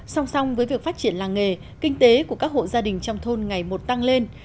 song song với việc phát triển làng nghề kinh tế của các hộ gia đình trong thôn ngày một tăng lên